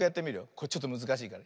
これちょっとむずかしいから。